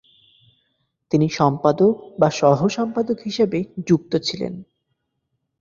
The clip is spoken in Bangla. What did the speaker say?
তিনি সম্পাদক বা সহ-সম্পাদক হিসাবে যুক্ত ছিলেন ।